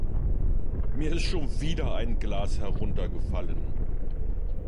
Mir ist schon wieder ein Glas heruntergefallen.